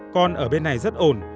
con ở bên này rất ổn